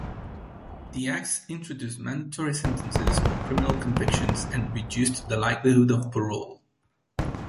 The Acts introduced mandatory sentences for criminal convictions, and reduced the likelihood of parole.